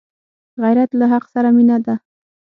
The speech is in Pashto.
غیرت له حق سره مینه ده